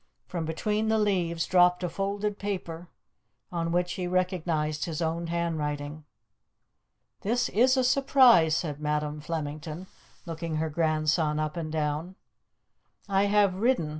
From between the leaves dropped a folded paper, on which he recognized his own handwriting. "This is a surprise," said Madam Flemington, looking her grandson up and down. "I have ridden.